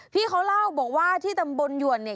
พี่เขาเล่าบอกว่าที่ตำบลหยวนเนี่ย